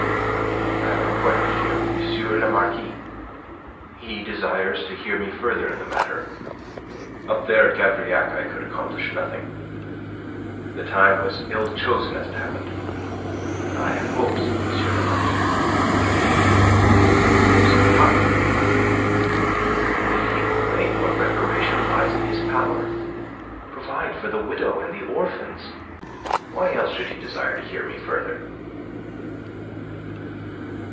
I have an appointment here with M. le Marquis. He desires to hear me further in the matter. Up there at Gavrillac I could accomplish nothing. The time was ill chosen as it happened. But I have hopes of M. le Marquis." "Hopes of what?" "That he will make what reparation lies in his power. Provide for the widow and the orphans. Why else should he desire to hear me further?"